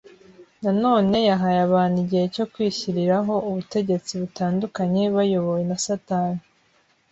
Nanone yahaye abantu igihe cyo kwishyiriraho ubutegetsi butandukanye bayobowe na Satani